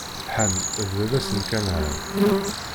Ḥam, d baba-s n Kanɛan.